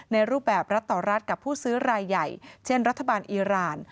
รูปแบบรัฐต่อรัฐกับผู้ซื้อรายใหญ่เช่นรัฐบาลอีราน